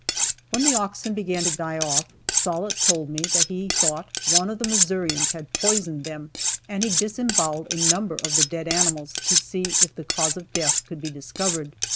When the oxen began to die off, Sollitt told me that he thought one of the Missourians had poisoned them and he disemboweled a number of the dead animals to see if the cause of death could be discovered.